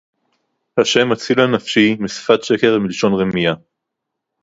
ה' הצילה נפשי משפת שקר מלשון רמיה